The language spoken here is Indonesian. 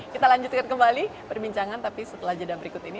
kita lanjutkan kembali perbincangan tapi setelah jeda berikut ini